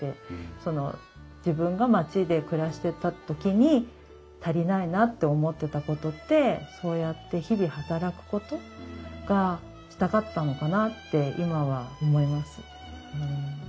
その自分が街で暮らしてた時に足りないなと思ってたことってそうやって日々働くことがしたかったのかなって今は思います。